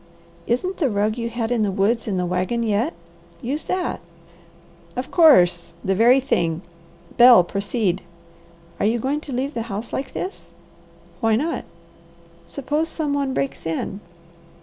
"Isn't the rug you had in the woods in the wagon yet? Use that!" "Of course! The very thing! Bel, proceed!" "Are you going to leave the house like this?" "Why not?" "Suppose some one breaks in!"